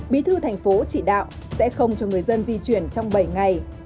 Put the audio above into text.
bí thư thành phố chỉ đạo sẽ không cho người dân di chuyển trong bảy ngày